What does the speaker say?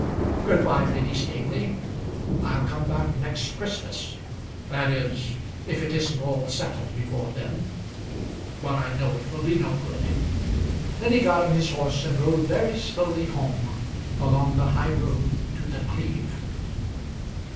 Good bye, Lady Staveley. I'll come back next Christmas; that is if it isn't all settled before then; but I know it will be no good." Then he got on his horse and rode very slowly home, along the high road to The Cleeve.